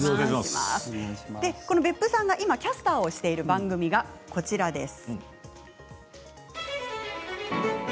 別府さんが今キャスターをしている番組がこちらです。